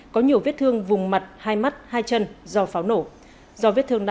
có nhiều vết thương vùng mặt hai mắt hai chân do pháo nổ